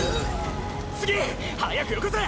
次早くよこせ！